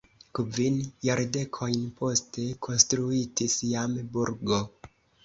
Kvin jardekojn poste konstruitis jam burgo.